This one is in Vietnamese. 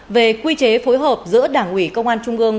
về quy chế phối hợp giữa đảng ủy công an trung ương